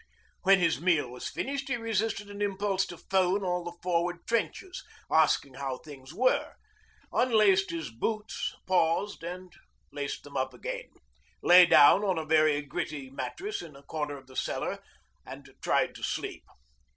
When his meal was finished he resisted an impulse to 'phone' all the forward trenches, asking how things were, unlaced his boots, paused, and laced them up again, lay down on a very gritty mattress in a corner of the cellar, and tried to sleep.